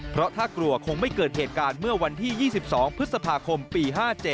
เพราะถ้ากลัวคงไม่เกิดเหตุการณ์เมื่อวันที่๒๒พฤษภาคมปี๕๗